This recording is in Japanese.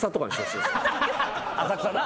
浅草な。